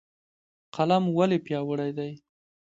قلم ولې پیاوړی دی؟